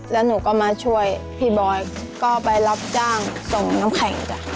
แล้วหนูก็มาช่วยพี่บอยก็ไปรับจ้างส่งน้ำแข็งจ้ะ